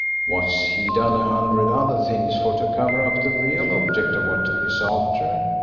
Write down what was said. "What's he done a hundred other things for to cover up the real object of what he's after?"